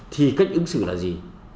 thì cách ứng xử là gì